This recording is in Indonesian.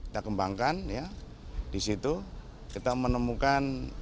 kita kembangkan disitu kita menemukan